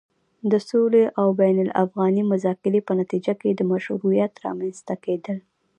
د سولې او بين الافغاني مذاکرې په نتيجه کې د مشروعيت رامنځته کېدل